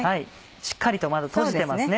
しっかりとまだ閉じてますね。